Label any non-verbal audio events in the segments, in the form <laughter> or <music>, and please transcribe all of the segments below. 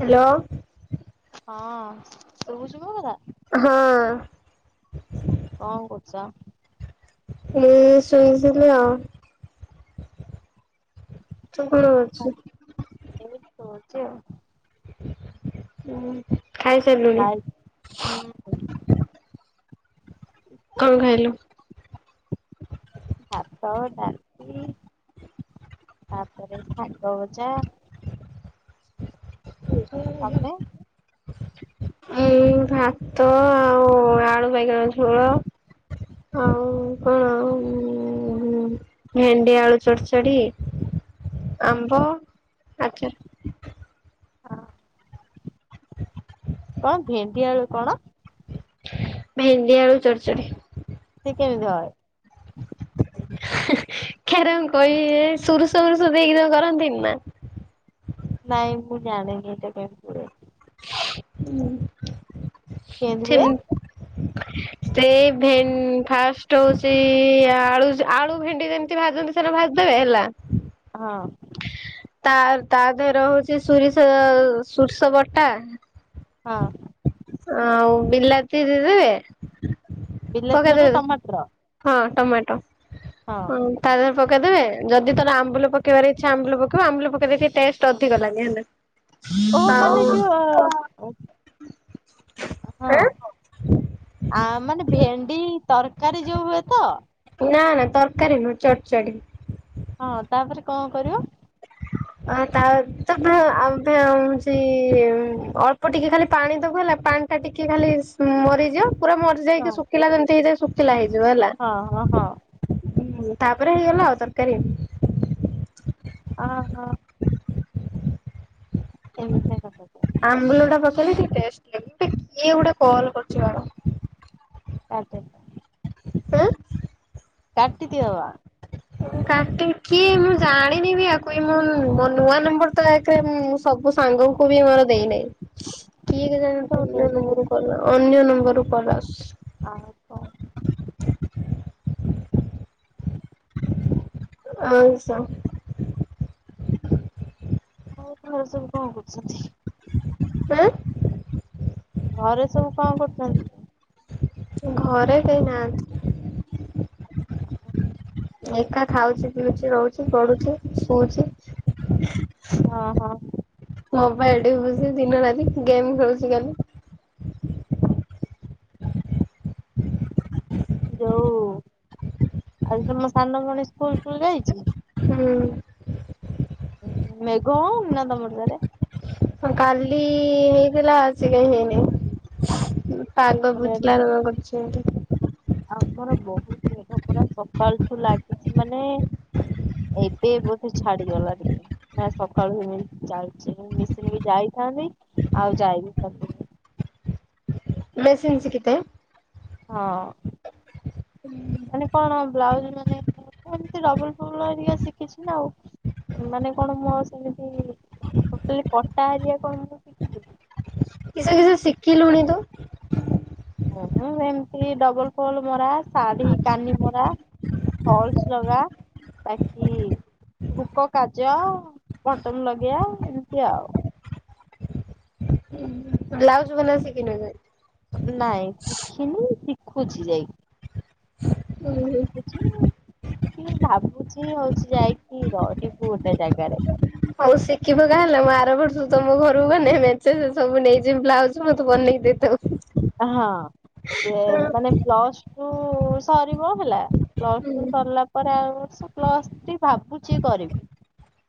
Hello. ହଁ ତୁ ବୁଛିିବୁ ଏଗୁରା। ହଁଅଁଁଁ। କଁ କରୁଛ। ମୁଁ ଶୁଣିି ଆଉ। କଣ ଅଛି। ସେ ହଁ। ଆଉ ହୁଁ। କଣ ଖାଇଲୁ। ଭାତ ଡାଲଛି ତାପରେ ଶାଗ ଞ୍ଚ। ଆମେ ଉଁ ଭାତ ଆଉ ଆଳୁ ବାଇଗଣ ଝୋଳ ଆଉ କଣ ଉଁ ଭେଣ୍ଡି ଆଳୁ ଚଡ଼ଚଡ଼ି। ଆମ୍ବ ଆଚାର। ହଁ। କଣ ଭେଣ୍ଡି ଆେଳୁ କଣ? ଭେଣ୍ଡି ଆଳୁ ଚରଚଡ଼ି। ସେ କେମିତି ହ <unintelligible> କର ମୁ କହିବେ ସୁରୁଷରୁଷ ଦେଇକି ଯ କରନ୍ତିନି ନା ନାଇଁ ମୁଁ ଜାଣିନି ଏଟା କେମିତି ହୁଏ ହୁଁ। କେନ୍ତି ହୁଏ। ସେ ଭେନ୍ ଫାଷ୍ଟ୍ ହଉଛି ଆଳୁ ଆଳୁ ଭେଣ୍ଡି ଯେମିତି ଭାଜନ୍ତି ସେ ଭାଜି ଦେବେ ହେଲା। ହଁ। ତା ତା ଦେହରେ ହଉଛି ସୁରିଷ ସୋରିଷ ବଟା। ହଁ ଆଉ ବିଲାତି ଦେଇଦବେ। ବିଲାତି ମନେ ଟମାଟର। ହଁ ଟମାଟୋ ହଁ ତା ଦେହରେ ପକେଇଦେବେ। ଯଦି ତାର ଆମ୍ବୁ ପକବାର ଇଚଛା ଆମ୍ବୁ ପକବା ଆମ୍ବୁ ପକେଇଲେ ସେ ଟେଷ୍ଟ ଅଧିକ ଲାଗେ ହେଲା। ଓହୋ ମାନେ ଆଉ ଯୋଉ ଅ ହଁ ଆଁ ଆ ମାନେ ଭେଣ୍ଡି ତରକାରୀ ଯୋଉ ହୁଏ ତ? ନା ନା ତରକାରୀ ନୁହେଁ ଚଡ଼ଚାଡି। ହଁ ତାପରେ କଣ କରିବ? ଅ ତା ତ ବ ଆଉ ବି ହୋଉଚି ଅଳ୍ପ ଟିକେ ଖାଲି ପାଣି ଦୋବୁ ହେଲ ତା ପାଣିଟା ଟିକେ ଖାଲି ଉଁ ମରିଯିବ ପୁରା ହଁ ମରିଯାଇକି ଶୁଖିଲା ଯେମତି ହେଇଯାଏ ଶୁଖିଲା ହେଇଯିବ ହେଲା। ହ ତାପରେ ହେଇଗଲା ଆଉ ତରକାରୀ। ଅ ହଁ। ଏମତିଆ କଥା ତାହା କେମିତି ଟେଷ୍ଟ <unintelligible> ଏଟା କିଏ ଗୋଟେ କଲ୍ କରଚି ରହ। ଆ ତାଆ ଉଁ କାଟି ଦିଅବା। କାଟିବି କିଏ ମୁଁ ଜାଣିନି ବି ଆକୁ ଇଏ ମୁଁ ମୋ ନୂଆ ନମ୍ବର ତ ଯା ଏଥିରେ ଉଁ ସବୁ ସାଙ୍ଗଙ୍କୁ ବି ମୋର ଦେଇନେଇ କିଏ କେଜାଣି ଏବେ ଏଟା ଅନ୍ୟ ଦେଇଦିଅ ନମ୍ବରରୁ କଲ ଅନ୍ୟ ନମ୍ବର୍ ରୂପଦାସ୍ ଆଉ କ <unintelligible> ଆଇଁଷ ଆଉ କଣ ଏସବୁ କଣ କରୁଚନ୍ତି? ଆଁ? ଘରେ ସବୁ କଣ କରୁଚନ୍ତି? ଘରେ କେହି ନାହାନ୍ତି। ଏକା ଖାଉଚି, ପିଉଚି, ରହୁଚି, ପଢୁଚି। ଶୋଉଚି। ଓହୋ। ମୋବାଇଲ୍ ଟିପୁଚି ଦିନ ରାତି ଗେମ୍ ଖେଳୁଚି ଖାଲି। ଯୋଉ ଆଉ ତମ ସାନ ଭୋଉଣୀ ସ୍କୁଲକୁ ଯାଇଚି? ହୁଁ। ଉହୁଁ ମେଘ ହୋଉନି ନା ତମର ସ୍ୟାଡେ? ହଁ କାଲି ହେଇଥିଲା ଆଜି କାଇଁ ହେଇନେଇ। ପାଲ ଆମର ଇଆଡେ ବୁଝିଲାର <unintelligible> କରଚନ୍ତି। ମୋର ବୋହୁତୁ ମେଘ ପରା ସକାଳଠୁ ଲାଗିଚି ମାନେ ଏବେ ବୋଧେ ଛାଡିଗଲା ଟିକେ ନାଇ ସକାଳୁ ଏମିତି ଚାଲଚି ମୁଁ ମିଶିନିକି ଯାଇ ହେଲାନି ଆଉ ଯାଇ ବି ମେସିନ ଶିକିତେ? ହଁ ମାନେ କଣ ବ୍ଲାଉଜ୍ ମାନେ ସେମତି ଡବଲ ଫୁଲ ହରିକା ଶିଖିଛି ଆଉ ମାନେ କଣ ମୁଁ ଆଉ ସେମିତି ଟୋଟାଲି କଟା ହାରିିକା କଣ ମୁଁ ଶିଖିଛି କି? ମୁଁ ହେମତି ଡବଲ ଫୋଲ ମରା, ଶାଢୀ କାନି ମରା ଫଲସ୍ ଲଗା ବାକି ହୁକ କାଜ, ବଟନ ଲଗେଇଆ ଏମିତି ଆଉ। ବ୍ଲାଉଜ ବନେଇବା ଶିକିନ କି? ନାଇଁ ଶିଖିନି ଶିଖୁଚି ଯାଇ। ଉଁହୁଁ। ଶିଖିବି ଭାବୁଚି ହୋଉଚି ଯାଇକି ରହିବୁ ଗୋଟେ ଜାଗାରେ। ହୋଉ ଶିଖିପକା ହେଲା ମୁଁ ଆର ବର୍ଷ ତମ ଘରକୁ ଗନେ ମେଞ୍ଚେ ସେ ସବୁ ନେଇଯିମ୍ ବ୍ଲାଉଜୁ ମତେ ବନେଇ ଦେଇଥାଉ। ହଁ ସିଏ ମାନେ ପ୍ଲସ୍ ଟୁ ସରିବ ହେଲା ପ୍ଲସ ଟୁ ସରିଲା ପରେ ଆର ବର୍ଷ ପ୍ଲସ ଥ୍ରୀ ଭାବୁଛି କରିବି।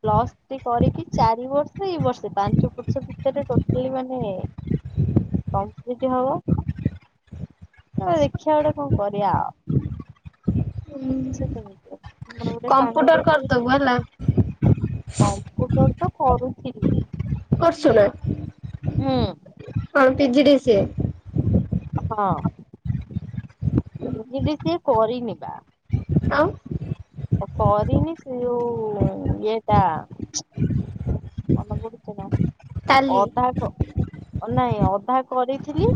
ପ୍ଲସ୍ ଥ୍ରି କରିକି ଚାରି ବର୍ଷ ଏଇ ବର୍ଷ ପାଞ୍ଚ ବର୍ଷ ଭିତରେ ଟୋଟାଲି ମାନେ କଂପ୍ଲିଟ୍ ହବ ଦେଖିବା ଗୋଟେ କଣ କରିବା ଆଉ। ସେଟ <unintelligible> କମ୍ପୁଟର କରିଦବୁ ହେଲା। କମ୍ପୁଟର ତ କରୁଥିଲି କରୁଛୁ ନା ହୁଁ। P G D C A. ହଁ P G D C A କରିନି ବା। ଆଉ। କରିନି ସେ ଯୋଉ ଇଏଟା ମନ ପଡୁଛି ନା ଟାଲି ଅଧା ନାଇଁ ଅଧା କରିଥିଲି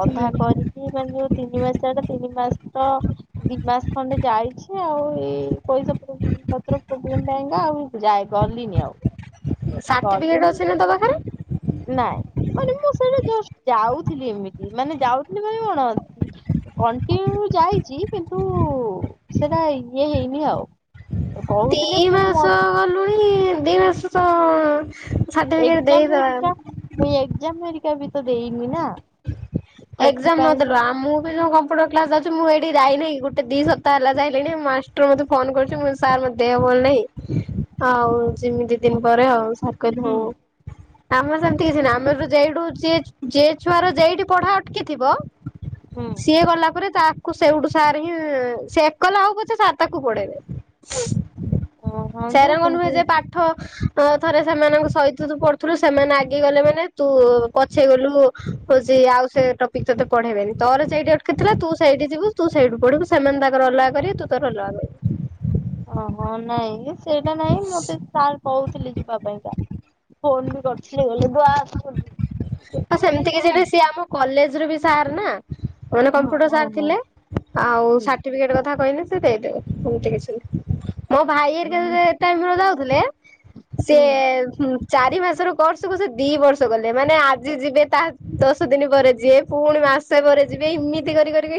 ଅଧା କରିକି ମାନେ ତିନି ମାସଟା ତିନି ମାସ ତ ଦି ମାସ ଖଣ୍ଡେ ଯାଇଛି ଆଉ ଏଇ ପଇସା ପ ପତ୍ର ପ୍ରୋବ୍ଲେମ ପାଇଙ୍କା ଆଉ ଯାଇ ପାରିଲିନି ଆଉ। ସାର୍ଟିଫିକେଟ ଗଲିନି ଅଛି ନା ତା ପାଖରେ? ନାଇଁ ମାନେ ମୁଁ ସେଇଟା ଜଷ୍ଟ୍ ଯାଉଥିଲି ଏମିତି ମାନେ ଯାଉଥିଲି ବୋଲି କଣ କଣ୍ଟିନ୍ୟୁ ଯାଇଛି କିନ୍ତୁ ସେଟା ଇଏ ହେଇନି ଆଉ। କହୁଥିଲେ ଦୁଇ ପୁଣି ମ ମାସ ଗଲୁଣି ଦୁଇ ମାସ ତ ସାର୍ଟିଫିକେଟ ଏଗଯାମ୍ ଦେଇଦବା। ହେରିକା ମୁ ଏଗଯାମ୍ ହେରୀକା ବି ତ ଦେଇନି ନା। ଏଗଜାମ୍ ସେଥିପାଇଁ ନଦେଲୁ ଆଉ ମୁଁ ବି ଯଉ କମ୍ପୁଟର କ୍ଲାସ ଯାଉଛି ମୁଁ ଏଠି ଯାଇନାଇଁ ଗୋଟେ ଦି ସପତାହ ହେଲା ଯାଇଲେଣି ମାଷ୍ଟର ମତେ ଫୋନ କରୁଛି ସାର୍ ମୋ ଦେହ ଭଲ ନାହିଁ। ଆଉ ଜିମୀ ଦିନ ପରେ ଆଉ। ସାର୍ କହିଲେ ହୁଁ ହଉ ଆମର ସେମିତି କିଛି ନା ଆମେ ଯାଇ ଟୁ ଯିଏ ଯେ ଛୁଆ ର ଯେଇଠି ପଢା ଅଟକିଥିବ ସିଏ ଗଲା ପରେ ତାକୁ ସେଉଠୁ ସାର ହିଁ ସେ ଏକଲା ହଉ ପଛେ ସାର୍ ତାକୁ ପଢେଇବେ। ହୁଁ ହଁ ସେରଙ୍ଗ ନୁହେଁ କିନ୍ତୁ ଯେ ପାଠ ଥରେ ସେମାନଙ୍କ ସହିତ ତୁ ପଢୁଥିଲୁ ସେମାନେ ଆଗେଇଗଲେ ମାନେ ତୁ ପଛେଇ ଗଲୁ ହୋଉଛି ଆଉ ସେ ଟପିକ୍ ତତେ ପଢ଼େଇବେନି ତୋର ସେଇଠି ଅଟକି ଥିଲା ତୁ ସେଇଠି ଯିବୁ ତୁ ସେଇଠୁ ପଢିବୁ ସେମାନେ ତାଙ୍କର ଅଲଗା କରିବେ ତୁ ତୋର ଅଲ ର ଓହୋ ନାଇଁଲେ ସେଇଟା ନାହିଁ ମତେ ସାର୍ କହୁଥିଲେ ଯିବା ପାଇଁକା। ଫୋନ ବି କରିଥିଲି ଗଲେ <unintelligible> ଆ ଆସ କଣ। ସାର ନା ମାନେ ହଁ କମ୍ପୁଟର ସାର୍ ଓହୋ ଥିଲେ ଆଉ ହୁଁ ସାର୍ଟିଫିକେଟ କଥା କହିଲେ ଦେଇଦେବେ ସେମିତି କିଛି ନାଇ ମୋ ଭାଇ ହେରିକା ଯେ ଯୋଉ ଟାଇମ୍ ରେ ଯାଉଥିଲେ ହୁଁ ସିଏ ଚାରି ମାସରୁ କୋର୍ସ କୁ ସେ ଦି ବର୍ଷ ଗଲେ ମାନେ ଆଜି ଯିବେ ତା ଦଶ ଦିନ ପରେ ଯିବେ ପୁଣି ମାସ ପରେ ଯିବେ ଏମିତି କରି କରିକି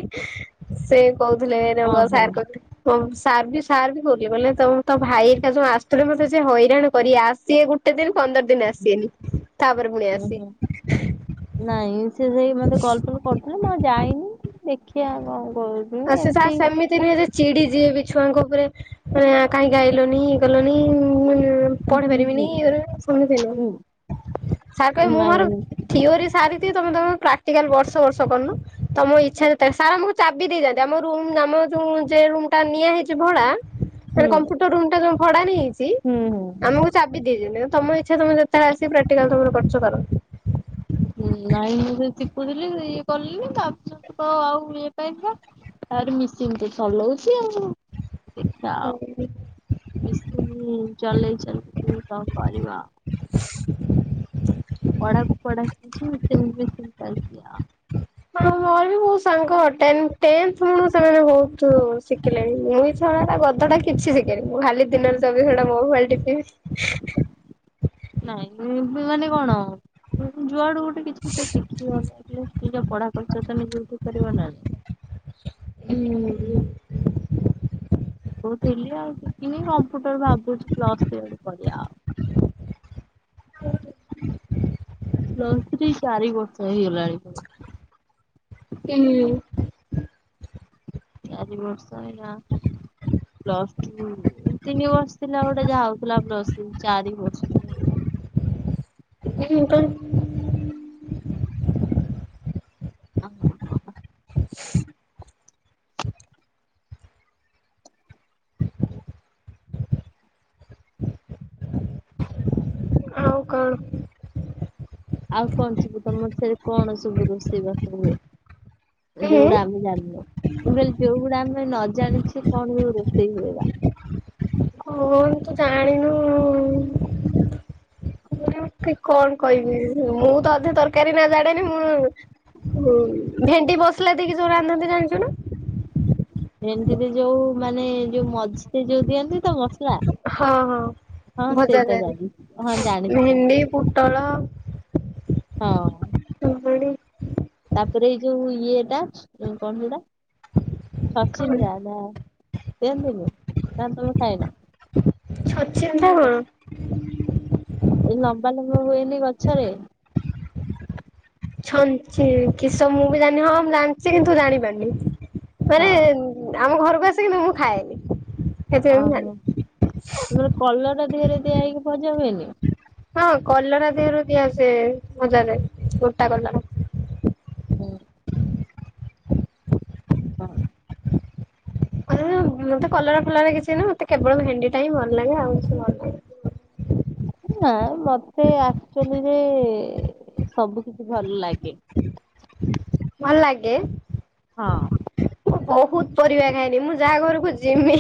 ସେ କହୁଥିଲେ ରଙ୍ଗ ଓହୋ ସାର କହୁଥିଲେ କଣ ସାର୍ ବି ସାର୍ ବି କହୁଥିଲେ କହିଲେ ତୋ ତୋ ଭାଇ ହେରିକା ଯୋଁଉ ଆସୁଥିଲେ ମତେ ସେ ହଇରାଣ କରିବେ ଆସିବେ ଗୋଟେ ଦିନ ପନ୍ଦର ଦିନ ସେମିତି ତା ପରେ ପୁଣି ଉଁ ହୁଁ ଆସିବେ। ନାଇଁ ସେ ମତେ କଲ ପଲ୍ କରୁଥିଲେ ମୁଁ ଯାଇନି ଦେଖିବା କଣ ହୋଉଛି। ଆଉ ସେ ସାର୍ ସେମିତି ନୁହଁ ଯେ ଚିଡି ଯିଏ ବି ଛୁଆଙ୍କ ଉପରେ ମାନେ କାହିଁକି ଆଈଲୁନୀ ଇଏ କଲୁନି ପଢେଇ ହୁଁ ପାରିବିନି ଇଏ କରିବିନି ସେମିତି ନୁହଁ ହୁଁ ସାର୍ କହିଲେ ମୁଁ ନାଇଁ ମୋର ଥିଓରି ସାର ଦିଏ ତମେ ତମ ପ୍ରାକ୍ଟୀକାଲ ବର୍ଷ ବର୍ଷ କରୁନ ତମ ଇଚ୍ଛା ଯେତେ ସାର ଆମକୁ ଚାବି ଦେଇ ଯାଆନ୍ତି ଆମ ରୁମ୍ ଆମ ଜେଉ ଯୋଉ ରୁମଟା ନିଆ ହେଇଛି ଭଡା ହୁଁ ମାନେ କମ୍ପ୍ୟୁଟର ରୁମଟା ଯୋଉ ଭଡା ନିଆହେଇଛି ହୁଁ ହୁଁ ହୁଁ ଆମକୁ ଚାବି ଦେଇଦେଲେ ତମ ଇଛା <inaudible> ତମେ ଯେତେବେଳେ ଆସି ପ୍ରାକ୍ଟିକାଲ ତମର କରୁଛ କର। ନାଇଁ ମୁଁ ସେଇ ଶିଖୁଥିଲି ଇଏ କଲିି ତାପରେ ତ ଆଉ ଇଏ <inaudible> ତାପରେ ମିସିନ ତ ଚଲଉଛି ଆଉ, ଦେଖିବା ଆଉ। ମିସିନ୍ ଚଲେଇଛନ୍ତି କଣ କରିବା। ପଢ଼ାକୁ ପଢ଼ା ଚାଲିଛି ମେସିନକୁ ମେସିନ୍ ଚାଲିଛି ଆଉ। ହଁ ମୋର ବି ବହୁତ ସାଙ୍ଗ ଟେନ୍ ଟେନ୍ଥ୍ ବେଳୁ ସେମାନେ ବହୁତ ଶିଖିଲେଣି ମୁଁ <inaudible> <inaudible> ଗଧଟା କିଛି ଶିଖିନି। ମୁଁ ଖାଲି ଦିନରେ ଚବିଶ ଘଣ୍ଟା ମୋବାଇଲ ଟିପିବି। ନାଇଁ ମାନେ କଣ? ଉଁ ଯୁଆଡୁ ଗୋଟେ କିଛି ତ ଶିଖିଗଲେକି ନିଜ ପଢାଖର୍ଚ୍ଚ ତ ନିଜେ ଉଠେଇପାରିବ ନା <inaudible> ଆଛା ହୁଁ ହୁଁ। ଶିଖୁଥିଲି ଆଉ ଶିଖିନି କମ୍ପ୍ୟୁଟର ଭାବୁଛି ପ୍ଲସ୍ ଥ୍ରୀ ପରେ କରିବା ଆଉ। ହ ପ୍ଲସ୍ ଥ୍ରୀ ଚାରି ବର୍ଷ ହେଇଗଲାଣି ପୁଣି ହୁଁ। ଚାରି ବର୍ଷ୍ <inaudible> ପ୍ଲସ୍ ଟୁ, ତିନି ବର୍ଷ ଥିଲା ଗୋଟେ ଯାହା ହଉଥିଲା ପ୍ଲସ୍ ଚାରି ବର୍ଷ। <inaudible> <inaudible> ଆଉ କଣ? ଆଉ କଣ ସବୁ ତମର <inaudible> କଣ ସବୁ ରୋଷେଇବାସ ହୁଏ? ହୁଁ ଯୋଉ ଡାଲି ଡାଲମା। ମୁଁ କହିଲି ଯୋଉଗୁଡା ଆମେ ନ ଜାଣିଛେ କଣ ଯୋଉ ରୋଷେଇ ହୁଏବା। ହଉ ତୁ ଜାଣେ। କଣ କହିବି ମୁଁ ତ ଅଧେ ତରକାରୀ ନାଁଆ ଜାଣିନି ମୁଁ ଭେଣ୍ଡି ମସଲା ଦେଇକି ଯୋଉ ରାନ୍ଧନ୍ତି ଜାଣିଛୁ ନା? ଭେଣ୍ଡିକୁ ଯୋଉ ମାନେ ଯୋଉ ମଝିରେ ଯୋଉ ଦିଅନ୍ତି ତ ମସଲା? ହଁ ହଁ-ହଁ ସେଇଟା ଭଜାଯାଏ, ଜାଣିଛି। ହଁ ଜାଣିଛି ଭେଣ୍ଡି ପୋଟଳ ହଁଅ-ଅ। କାକୁଡି ତାପରେ ଏଇ ଯୋଉ ଇଏଟା କଣ ସେଟା କଣ ଛଚିନ୍ଦ୍ରା ନା <unintelligible> ଖାଏନା। ଛଛିନ୍ଦ୍ରା କଣ? ଏ ଲମ୍ବା ଲମ୍ବା ହୁଏନି ଗଛରେ? ଛଞ୍ଚି କିସ ମୁଁ ବି ଜାଣିିନି ହଁ ମୁଁ ଜାଣିଛି କିନ୍ତୁ ଜାଣି ପାରୁନି। ତାପରେ ହଁ ଆମ ଘରକୁ ଆସେ କିନ୍ତୁ ମୁଁ ଖାଏନି। ସେଥିପାଇଁ ମୁଁ ଜାଣିନି। ଓହୋଃ <inaudible> କଲରା ଦେହରେ ଦିଆ ହେଇକି ଭଜା ହୁଏନି? ହଁ କଲରା ଦେହରେ <inaudible> ଭଜାରେ ଗୋଟା କଲରା ହୁଁ। <inaudible> ମତେ କଲରା ଫଲରା କିଛି ନୁହଁ ମତେ କେବଳ ଭେଣ୍ଡିଟା ହିଁ ଭଲ ଲାଗେ ଆଉ କିଛି ଭଲ ଲାଗେ ନା ମତେ ଆକ୍ଚୁଆଲିରେ ସବୁ କିଛି ଭଲ ଲାଗେ। ଭଲ ଲାଗେ? ହଁ। ମୁଁ ବହୁତ ପରିବା ଖାଏନି ମୁଁ ଯାହା ଘରକୁ ଯିମି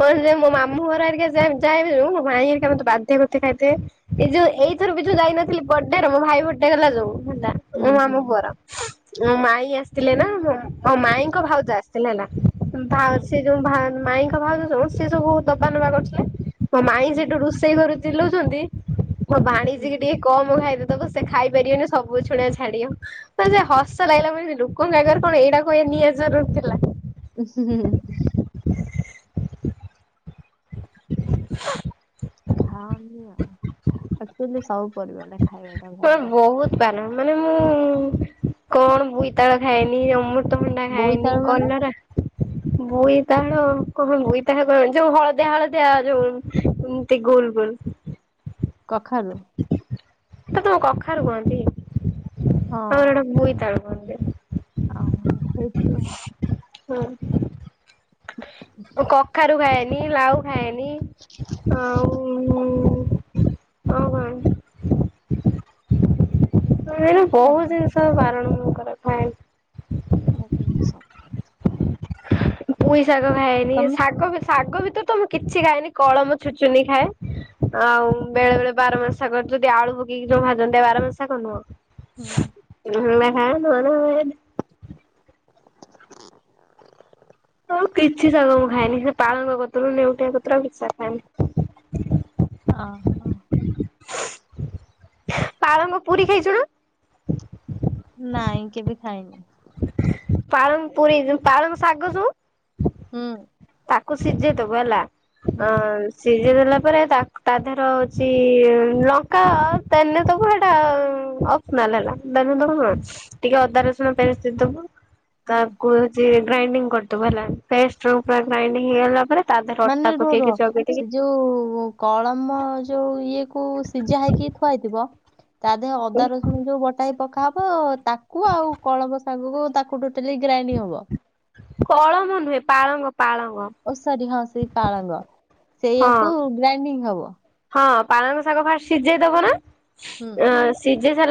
କଣ ଯେ ମୋ ମାମୁଁ ଘର ହେରିକା <inaudible> ଯାଏ <inaudible> ମୋ ମାଇଁ ହେରିକା ମତେ ବାଧ୍ୟ କରୁଥିବେ ଖାଇତେ ଏଇ ଯୋଉ ଏଇଥର ବି ଯୋଉ ଯାଇନଥିଲି ବର୍ଥଡେରେ ମୋ ଭାଇ ବର୍ଥଡେ ହେଲା ଯୋଉ ହେଲା, ହୁଁ ମୋ ହୁଁ ମାମୁଁ ପୁଅର ମୋ ମାଇଁ ଆସିଥିଲେ ନା ମୋ ହଉ ମାଇଁଙ୍କ ଭାଉଜ ଆସିଥିଲା ନା ଭା ହୁଁ ସେ ଯୋଉ ମାଇ ଭାଉଜ ଯେଉ ସିଏ ସବୁ ଦବା ନବା କରୁଥିଲେ ମୋ ମାଇଁ ହୁଁ ସେଠୁ ରୋଷେଇ ଘରୁ ଚିଲଉଛନ୍ତି ମୋ ଭାଣିଜୀ କି ଟିକେ କମ ଖାଇଦ ଦବୁ ସେ ଖାଇ ପାରିବନି ସବୁ ଶୁଣଆ ଛାଡିବ ତ ସେ ହସ ଲାଗିଲା ମ ଲୋକଙ୍କ ଆଗରେ କଣ ଏଇଟା କହିବା ନିହାତି ଜରୁରୀ ଥିଲା। ଉ ହୁଁ ହୁଁ। ଖାଅନି ଆଉ ଆକଚୁଆଲି ସବୁ ପରିବାଟା ଖାଇବା ଟା ମୋର ଭଲ। ବହୁତ ପାନ ମାନେ ମୁଁ-ଉ-ଉ କଣ ବୋଇତାଳୁ ଖାଏନି ଅମ ଅମୃତାଭଣ୍ଡା ଖାଏନି ବୋଇତାଳୁ ମାନେ କଲରା ବୋଇତାଳୁ କ ବୋଇତାଳୁ ଯୋଉ ହଳଦିଆ ହଳଦିଆ ଯୋଉ ଏମତି ଗୁଲ୍ ଗୁଲ୍। କଖାରୁ। ତ ତମ କଖାରୁ କୁହନ୍ତି ହଁ ଆମର ଆଡେ ବୋଇତାଳୁ କୁହନ୍ତି। ଆଉ ହେଇଥିବ ହଁ। କଖାରୁ ଖାଏନି ଲାଉ ଖାଏନି ଆଉ-ଉ-ଉ-ଉ ଓ ହୋ। ଉ-ଉ-ଉ ନାଇଁ ବହୁତ ଜିନିଷ ବାରଣ ମୁ କରେ ମୁଁ ଖାଏନି। <unintelligible> ପୁଇ ଶାଗ ଖାଏନି ତମେ ଶାଗ ବି ଶାଗ ଭିତରେ ତ ମୁଁ କିଛି ଖାଏନି କଳମ ଛୁଚୁନି ଖାଏ। ଆଉ ବେଳେ ବେଳେ ବାର ମାସ ଶାଗ ଯଦି ଆଳୁ ପକେଇକି ଯୋଉ ଭାଜନ୍ତିତା ବାର ମାସ ଶାଗ ନୁହଁ <unintelligible> ହଉ କିଛି ଶାଗ ମୁଁ ଖାଏନି ସେ ପାଳଙ୍ଗ ପତ୍ର ନେଉଟିଆ ପତ୍ର ଆଉ କିଛି ଶାଗ ଖାଏନି। ଓ ହୋ। ପାଳଙ୍ଗ ପୁରୀ ଖାଇଛୁନା? ନାଇଁ କେବେ ଖାଇନି। ପାଳଙ୍ଗ ପୁରୀ ପାଳଙ୍ଗ ଶାଗ ଯୋ ହୁଁ। ତାକୁ ସିଝେଇଦବୁ ହେଲା ହୁଁ ଅ-ଅ-ଅ-ଅ ସି ଜେଇ ଦେଲା ପରେ ତା କ ଦେହର ହଉଛି-ଇ-ଇ-ଇ ଲଙ୍କା ତେନେ ଦବୁ ଏଇଟା-ଅ-ଅ-ଅ ଅପସନାଲ୍ ହେଲା। ହୁଁ <unintelligible> ଟିକେ ଅଦା ରସୁଣ ପେଷ୍ଟ ଦେଇ ଦବୁ ହୁଁ ତାକୁ ହଉଛି ଗ୍ରାଇଣ୍ଡିଙ୍ଗ କରିଦେବୁ ହେଲା ପେଷ୍ଟରୁ ପୁରା ଗ୍ରାଇଣ୍ଡିଙ୍ଗ ହେଇଗଲା ପରେ ତା ଦେହରେ ଅଟା ମାନେ ରୁଅ ପକେଇକି ରୁଅ ଚକଟିକି ସେ ଯୋଉ-ଉ-ଉ କଳମ ଯୋଉ ଇଏ କୁ କୁ ସିଜା ହେଇକି ଥୁଆ ହେଇଥିବ ତା ଦେହେ ଅଦା ରସୁଣ ଯୋଉ ବଟା ହେଇକି ପକା ହବ ତାକୁ ଆଉ କଳବ ଶାଗକୁ ତାକୁ <unintelligible> ଗ୍ରାଇଡିଙ୍ଗ ହେବ। କଳମ ନୁହେଁ ପାଳଙ୍ଗ ପାଳଙ୍ଗ ଓ ସରି ହଁ ସେଇ ପାଳଙ୍ଗ ହଁ ସେଇଆାକୁ ଗ୍ରାଇଡିଙ୍ଗ ହବ। ହଁ ପାଳଙ୍ଗ ଶାଗ ଫାଷ୍ଟ ସିଝେଇ ଦବ ନା ହୁଁ। ଅ ସିଝେଇ ସାରିଲା